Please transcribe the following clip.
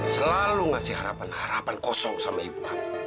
selalu ngasih harapan harapan kosong sama ibu